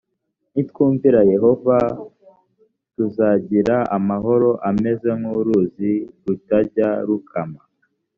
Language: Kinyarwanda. nitwumvira yehova tuzagira amahoro ameze nk uruzi rutajya rukama